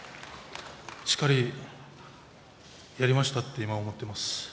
しっかりやりましたと今、思っています。